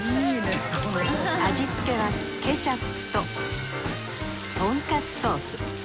味つけはケチャップととんかつソース。